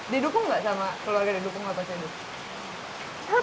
didukung nggak sama keluarga